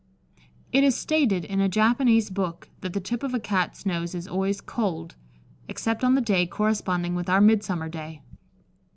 It is stated in a Japanese book that the tip of a Cat's nose is always cold, except on the day corresponding with our Midsummer day.